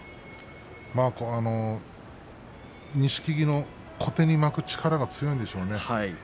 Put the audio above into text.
錦木の小手に巻く力が強いんでしょうね。